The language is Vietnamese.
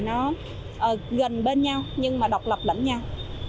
nó gần bên nhau nhưng mà độc lập lẫn nhau